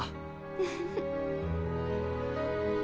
フフフッ。